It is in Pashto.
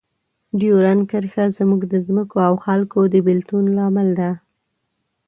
ډیورنډ کرښه زموږ د ځمکو او خلکو د بیلتون لامل ده.